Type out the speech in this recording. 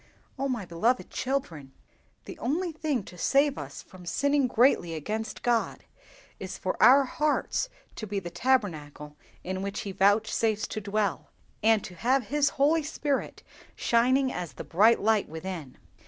Oh, my beloved children, the only thing to save us from sinning greatly against God is for our hearts to be the tabernacle in which He vouchsafes to dwell, and to have his Holy Spirit shining as the bright light within!